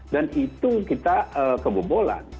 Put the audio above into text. dan itu kita kebobolan